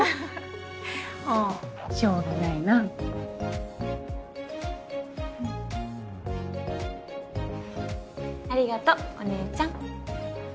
もうしょうがないなあ。ありがとお姉ちゃん。